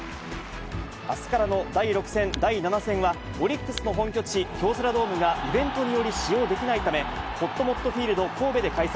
あすからの第６戦、第７戦は、オリックスの本拠地、京セラドームがイベントにより使用できないため、ほっともっとフィールド神戸で開催。